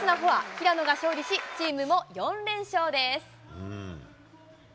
平野が勝利し、チームも４連勝です。